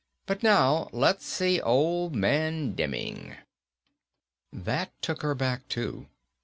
"But now, let's see Old Man Demming." That took her back too.